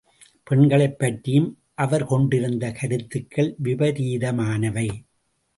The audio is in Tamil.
பெண்களைப் பற்றியும் அவர் கொண்டிருந்த கருத்துக்கள் விபரீதமானவை.